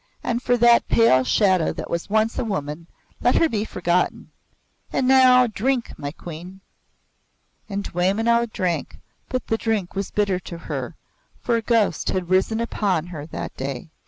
And for that pale shadow that was once a woman, let her be forgotten. And now, drink, my Queen!" And Dwaymenau drank but the drink was bitter to her, for a ghost had risen upon her that day.